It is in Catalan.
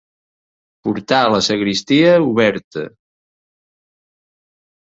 Portar la sagristia oberta.